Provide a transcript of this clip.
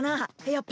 やっぱ。